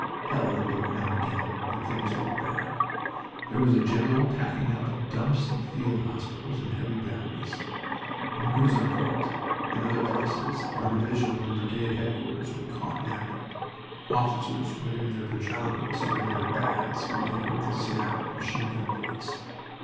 Hell had broken out again and things looked bad. There was a general packing up of dumps and field hospitals and heavy batteries. In Gouzeaucourt and other places our divisional and brigade headquarters were caught napping. Officers were in their pajamas or in their baths when they heard the snap of machine gun bullets.